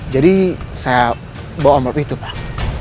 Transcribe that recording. jadi saya bawa amplop itu pak